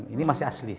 ini masih asli